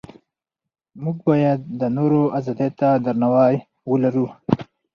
موږ باید د نورو ازادۍ ته درناوی ولرو.